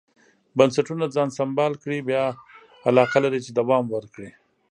بنسټونه ځان سمبال کړي بیا علاقه لري چې دوام ورکړي.